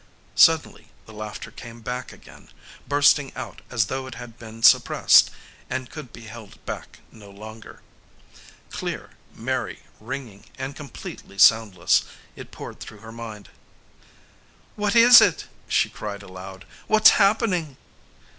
Suddenly the laughter came again, bursting out as though it had been suppressed and could be held back no longer. Clear, merry, ringing and completely soundless, it poured through her mind. "What is it?" she cried aloud. "What's happening?"